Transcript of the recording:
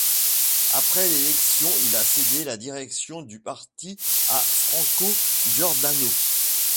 Après l'élection il a cédé la direction du parti à Franco Giordano.